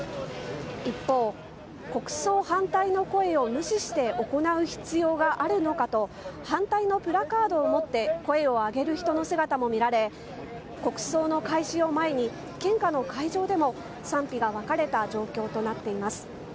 一方、国葬反対の声を無視して行う必要があるのかと、反対のプラカードを持って声を上げる人の姿も見られ、国葬の開始を前に、献花の会場でも賛否が分かれた状況となっています。